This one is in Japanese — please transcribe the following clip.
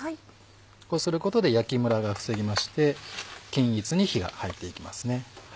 こうすることで焼きムラが防げまして均一に火が入っていきますね。